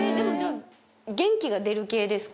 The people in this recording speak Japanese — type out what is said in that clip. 元気が出る系ですか？